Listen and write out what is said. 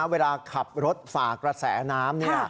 เวลาขับรถฝ่ากระแสน้ำ